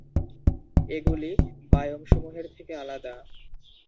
এগুলি বায়োম-সমূহের থেকে আলাদা।